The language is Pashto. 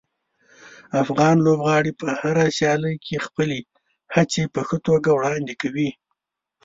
افغان لوبغاړي په هره سیالي کې خپلې هڅې په ښه توګه وړاندې کوي.